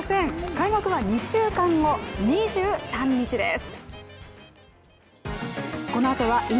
開幕は２週間後、２３日です。